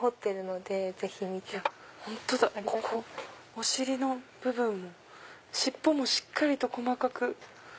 お尻の部分も尻尾もしっかりと細かく。